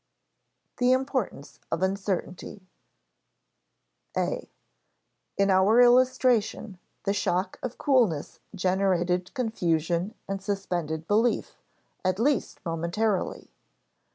[Sidenote: The importance of uncertainty] (a) In our illustration, the shock of coolness generated confusion and suspended belief, at least momentarily.